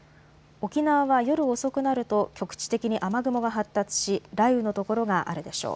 沖縄は夜遅くなると局地的に雨雲が発達し雷雨の所があるでしょう。